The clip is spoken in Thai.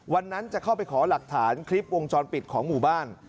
วันนั้นจะเข้าไปขอหลักฐานคลิปวงจรปิดของหมู่บ้าน